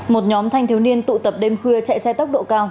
một nhóm thanh thiếu niên tụ tập đêm khuya chạy xe tốc độ cao